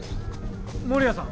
守屋さん